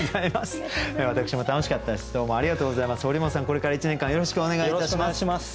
これから１年間よろしくお願いいたします。